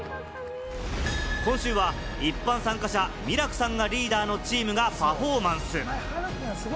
今週は一般参加者・ミラクさんがリーダーのチームがパフォーマンス。